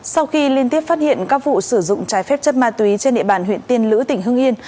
sau khi liên tiếp phát hiện các vụ sử dụng trái phép chất ma túy trên địa bàn huyện tiên lữ tỉnh hưng yên